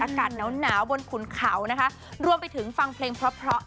อากาศหนาวบนขุนเขานะคะรวมไปถึงฟังเพลงเพราะเพราะ